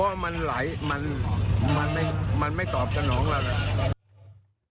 พอมันไหลมันไม่ตอบกับน้องเราเลย